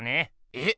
えっ？